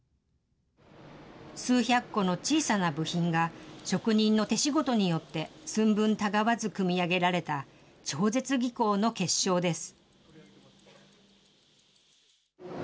数百個の小さな部品が、職人の手仕事によって寸分たがわず組み上げられた超絶技巧の結晶です。